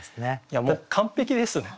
いやもう完璧ですね。